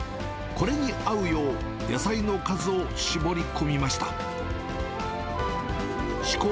これに合うよう、野菜の数を絞り込みました。